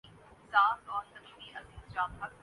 بنگلہ دیش